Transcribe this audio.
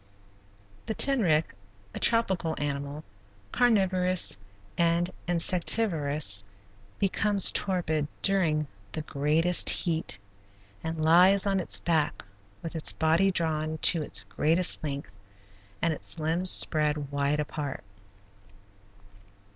The tenric, a tropical animal, carnivorous and insectivorous, becomes torpid during the greatest heat, and lies on its back with its body drawn to its greatest length, and its limbs spread wide apart.